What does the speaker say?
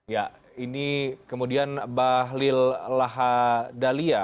ya ini kemudian bah lil laha dalia